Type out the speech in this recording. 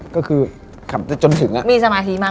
ก็คือขับจนถึงอะ